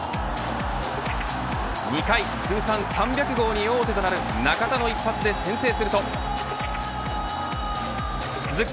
２回、通算３００号に王手となる中田の一発で先制すると続く